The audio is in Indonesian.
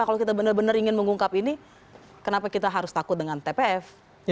kalau kita benar benar ingin mengungkap ini kenapa kita harus takut dengan tpf